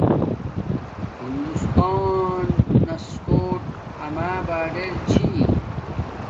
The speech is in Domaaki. ہندوستانس کوٹ اما باڈر چھی